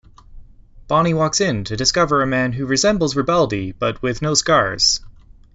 Bonnie walks in to discover a man who resembles Ribaldi, but with no scars.